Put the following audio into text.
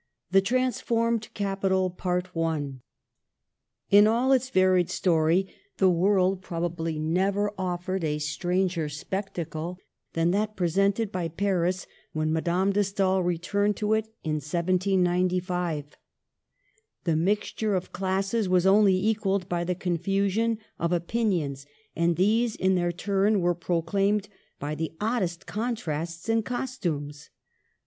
THE TRANSFORMED CAPITAL. * In all its varied story, the world probably never offered a stranger spectacle than that presented by Paris when Madame de Stael returned to it in 1795. The mixture of classes was only equalled by the confusion of opinions, and these, in their turn, were proclaimed by the oddest con* trasts in costumes.